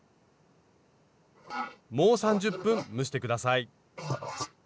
もう３０分蒸して下さい。